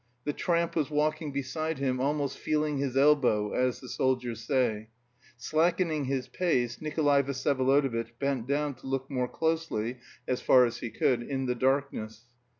The tramp was walking beside him, almost "feeling his elbow," as the soldiers say. Slackening his pace, Nikolay Vsyevolodovitch bent down to look more closely, as far as he could, in the darkness.